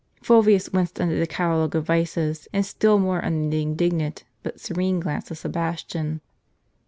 "* Fulvius winced under the catalogue of vices, and still more under the indignant, but serene, glance of Sebastian.